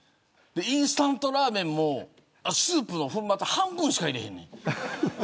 インスタントラーメンもスープの粉末半分しか入れへんねん。